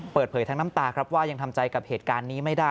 เปิดเผยทั้งน้ำตาครับว่ายังทำใจกับเหตุการณ์นี้ไม่ได้